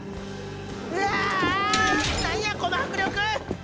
うわ何やこの迫力！